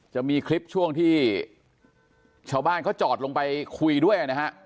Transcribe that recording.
จะมีคลิปช่วงที่ชาวบ้านเขาจอดลงไปคุยด้วยนะฮะ